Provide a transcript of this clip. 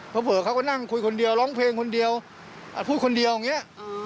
เผลอเขาก็นั่งคุยคนเดียวร้องเพลงคนเดียวอาจพูดคนเดียวอย่างนี้